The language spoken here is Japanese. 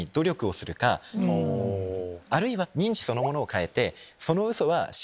あるいは認知そのものを変えて。